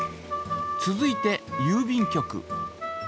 続いてゆう便局。